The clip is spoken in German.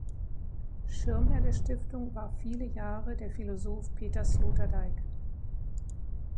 Schirmherr der Stiftung war viele Jahre der Philosoph Peter Sloterdijk.